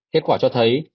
kết quả cho thấy